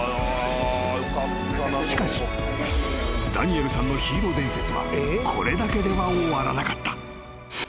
［しかしダニエルさんのヒーロー伝説はこれだけでは終わらなかった］